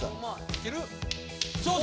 いける？